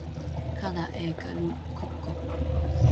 Kana eikä kukko.